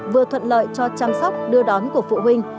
vừa thuận lợi cho chăm sóc đưa đón của phụ huynh